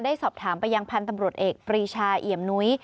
สอบถามไปยังพันธุ์ตำรวจเอกปรีชาเอี่ยมนุ้ย